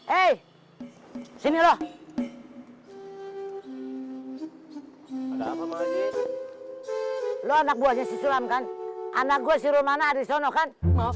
eh sini loh ada apa lo anak buahnya sulam kan anak gue si romana ada di sono kan maaf